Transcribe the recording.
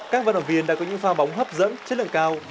các vận động viên đã có những pha bóng hấp dẫn chất lượng cao